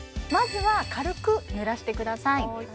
まずは軽くぬらしてください